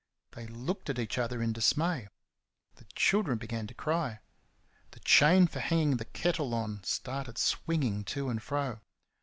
They looked at each other in dismay. The children began to cry. The chain for hanging the kettle on started swinging to and fro.